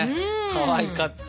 かわいかった。